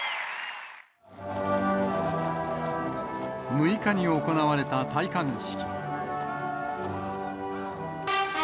６日に行われた戴冠式。